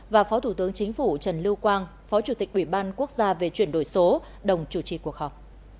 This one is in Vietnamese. và phó thủ tướng chính phủ trần lưu quang phó chủ tịch ủy ban quốc gia về chuyển đổi số đồng chủ trì cuộc họp